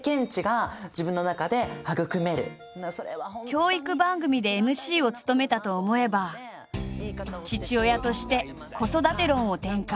教育番組でＭＣを務めたと思えば父親として子育て論を展開。